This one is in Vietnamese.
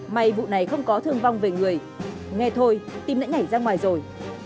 may vụ này không có thương vong về người nghe thôi tìm đã nhảy ra ngoài rồi